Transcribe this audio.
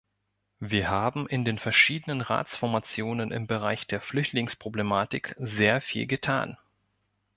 Wir haben in den verschiedenen Ratsformationen im Bereich der Flüchtlingsproblematik sehr viel getan.